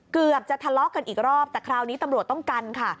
เกือบจะทะเลาะกันอีกรอบแต่คราวนี้ตำรวจต้องกันค่ะ